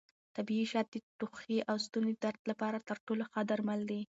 طبیعي شات د ټوخي او ستوني درد لپاره تر ټولو ښه درمل دي.